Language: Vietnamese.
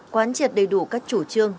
quán triệt đầy đủ các chủ trương